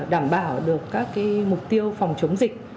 đảm bảo được các mục tiêu phòng chống dịch